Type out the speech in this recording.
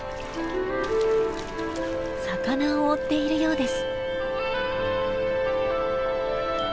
魚を追っているようです。